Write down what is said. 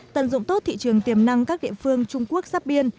tận dụng tốt thị trường tiềm năng các địa phương trung quốc sắp biên